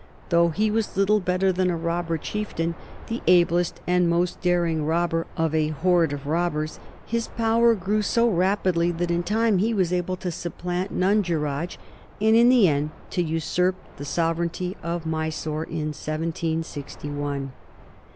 Though he was little better than a robber chieftain, the ablest and most daring robber of a horde of robbers, his power grew so rapidly that in time he was able to supplant Nunjeraj, and in the end to usurp the sovereignty of Mysore in 1761.